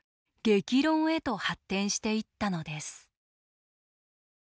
激論へと発展していったのです。